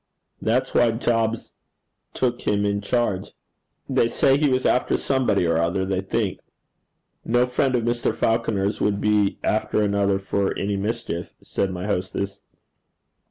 'That's why Job's took him in charge. They say he was after somebody or other, they think. No friend of Mr. Falconer's would be after another for any mischief,' said my hostess.